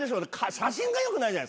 写真がよくないんやろ？